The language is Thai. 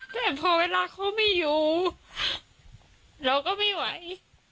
แต่พอเวลาเขาไม่อยู่เราก็ไม่ไหว